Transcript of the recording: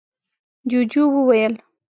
ُجوجُو وويل: